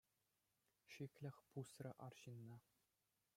Шиклӗх пусрӗ арҫынна.